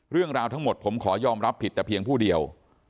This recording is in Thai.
เรื่องราวทั้งหมดผมขอยอมรับผิดแต่เพียงผู้เดียว